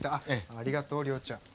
ありがとう亮ちゃん。